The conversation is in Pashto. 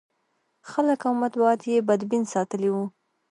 خلک او مطبوعات یې بدبین ساتلي و.